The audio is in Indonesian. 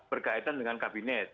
berkaitan dengan kabinet